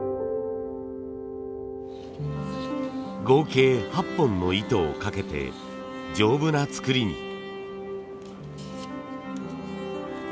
合計８本の糸をかけて丈夫な作りに。